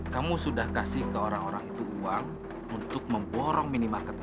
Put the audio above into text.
kamu sudah kasih ke orang orang itu uang untuk memborong minimarket